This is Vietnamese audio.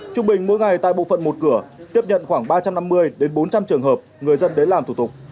trung bình mỗi ngày tại bộ phận một cửa tiếp nhận khoảng ba trăm năm mươi bốn trăm linh trường hợp người dân đến làm thủ tục